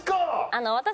あの私